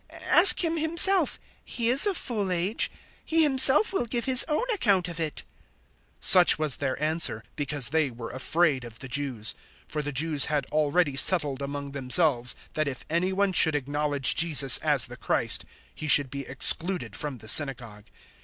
Ask him himself; he is of full age; he himself will give his own account of it." 009:022 Such was their answer, because they were afraid of the Jews; for the Jews had already settled among themselves that if any one should acknowledge Jesus as the Christ, he should be excluded from the synagogue.